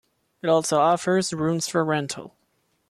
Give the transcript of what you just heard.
It also offers rooms for rental.